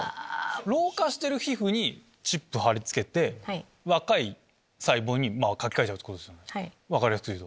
老化してる皮膚にチップ貼り付けて若い細胞に書き換えちゃう分かりやすく言うと。